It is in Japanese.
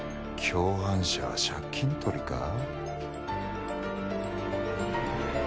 共犯者は借金取りかぁ？